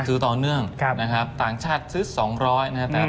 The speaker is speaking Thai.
ซื้อต่อเนื่องนะครับต่างชาติซื้อ๒๐๐นะครับ